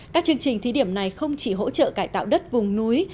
các chương trình thí điểm này không chỉ hỗ trợ cải tạo đất vùng núi